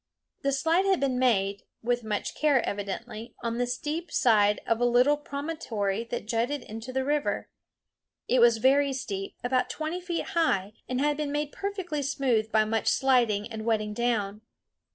The slide had been made, with much care evidently, on the steep side of a little promontory that jutted into the river. It was very steep, about twenty feet high, and had been made perfectly smooth by much sliding and wetting down.